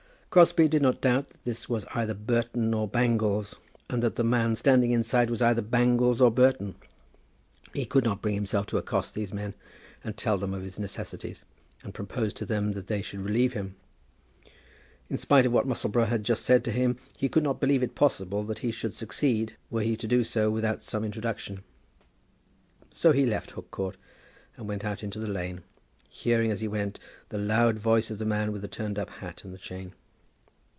Crosbie did not doubt that this was either Burton or Bangles, and that the man standing inside was either Bangles or Burton. He could not bring himself to accost these men and tell them of his necessities, and propose to them that they should relieve him. In spite of what Musselboro had just said to him, he could not believe it possible that he should succeed, were he to do so without some introduction. So he left Hook Court and went out into the lane, hearing as he went the loud voice of the man with the turned up hat and the chain.